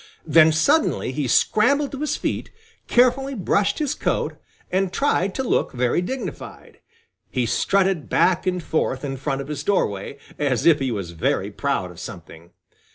Then suddenly he scrambled to his feet, carefully brushed his coat, and tried to look very dignified. He strutted back and forth in front of his doorway, as if he was very proud of something.